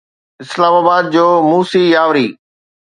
اسلام آباد جو موسيٰ ياوري